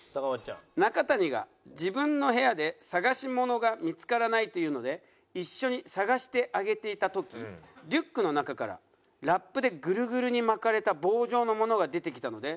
「中谷が自分の部屋で“探し物が見付からない”と言うので一緒に探してあげていた時リュックの中からラップでぐるぐるに巻かれた棒状のものが出てきたので」